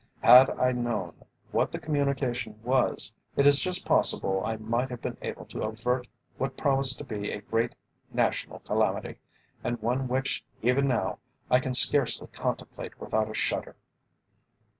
Had I known what the communication was, it is just possible I might have been able to avert what promised to be a great National calamity, and one which even now I can scarcely contemplate without a shudder.